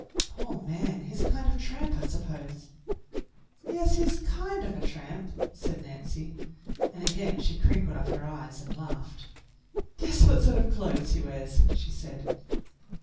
'" "Poor man, he's a kind of a tramp, I suppose." "Yes, he's a kind of a tramp," said Nancy, and again she crinkled up her eyes and laughed. "Guess what sort of clothes he wears," she said.